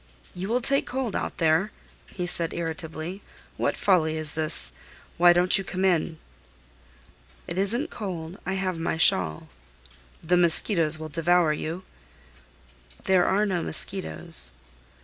"You will take cold out there," he said, irritably. "What folly is this? Why don't you come in?" "It isn't cold; I have my shawl." "The mosquitoes will devour you." "There are no mosquitoes."